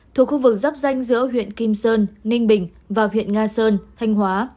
thuộc khu vực giáp danh giữa huyện kim sơn ninh bình và huyện nga sơn thanh hóa